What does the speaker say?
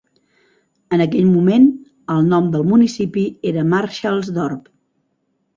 En aquell moment, el nom del municipi era Marshall's Dorp.